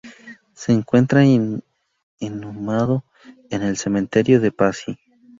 Se encuentra inhumado en el cementerio de Passy.